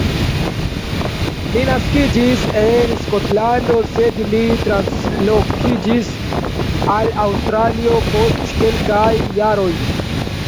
Li naskiĝis en Skotlando sed li translokiĝis al Aŭstralio post kelkaj jaroj.